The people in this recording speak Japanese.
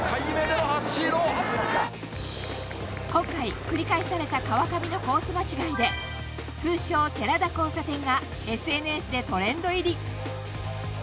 今回、繰り返された川上のコース間違いで通称・寺田交差点がＳＮＳでトレンド入り。